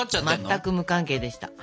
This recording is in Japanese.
全く無関係でした。